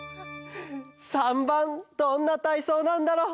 ３ばんどんなたいそうなんだろう？